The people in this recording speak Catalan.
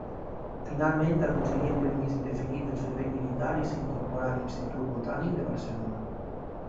Finalment, aconseguí el permís indefinit del servei militar i s'incorporà a l'Institut Botànic de Barcelona.